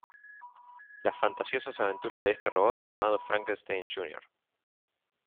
Las fantasiosas aventuras de este robot llamado Frankenstein Jr.